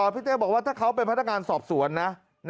เต้บอกว่าถ้าเขาเป็นพนักงานสอบสวนนะ